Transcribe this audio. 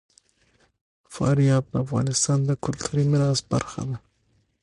فاریاب د افغانستان د کلتوري میراث برخه ده.